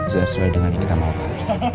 sudah sesuai dengan yang kita mau pak